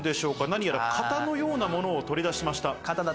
何やら型のようなものを取り出しました。